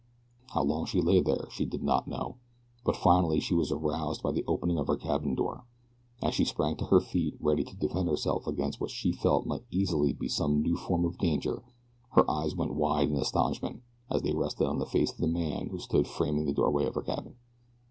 How long she lay there she did not know, but finally she was aroused by the opening of her cabin door. As she sprang to her feet ready to defend herself against what she felt might easily be some new form of danger her eyes went wide in astonishment as they rested on the face of the man who stood framed in the doorway of her cabin.